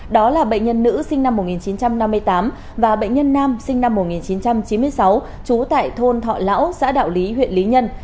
đó là bệnh nhân nữ sinh năm một nghìn chín trăm năm mươi tám và bệnh nhân nam sinh năm một nghìn chín trăm chín mươi sáu trú tại thôn thọ lão xã đạo lý huyện lý nhân